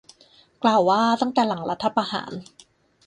กล่าวว่า ตั้งแต่หลังรัฐประหาร